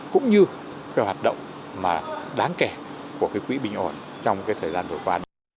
cũng như hoạt động đáng kể của quỹ bình ổn trong thời gian vừa qua